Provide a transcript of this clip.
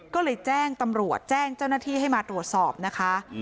ก็เลยแจ้งตำรวจแจ้งเจ้าหน้าที่ให้มาตรวจสอบนะคะ